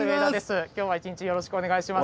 今日は一日よろしくお願いします。